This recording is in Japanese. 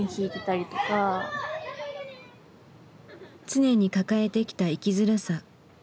常に抱えてきた生きづらさ。